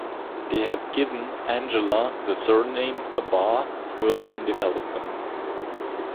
They had given Angela the surname "Abar" early in development.